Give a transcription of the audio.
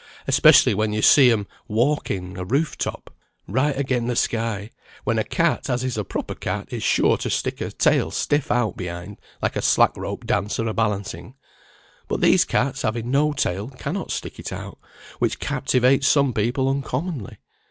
"Especially when you see 'em walking a roof top, right again the sky, when a cat, as is a proper cat, is sure to stick her tail stiff out behind, like a slack rope dancer a balancing; but these cats having no tail, cannot stick it out, which captivates some people uncommonly.